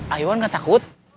aywan gak takut